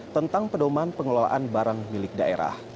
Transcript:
tentang pedoman pengelolaan barang milik daerah